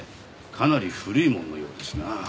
かなり古いもののようですなあ。